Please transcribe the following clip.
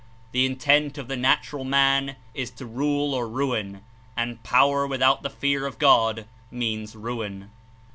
The intent of the natural man Is to rule or ruin, and power without the fear of God means ruin.